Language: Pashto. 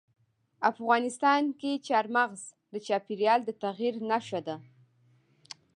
افغانستان کې چار مغز د چاپېریال د تغیر نښه ده.